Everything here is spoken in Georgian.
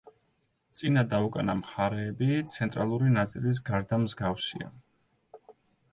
წინა და უკანა მხარეები ცენტრალური ნაწილის გარდა მსგავსია.